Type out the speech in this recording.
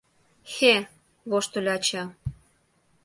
«Хе! — воштыльо ача.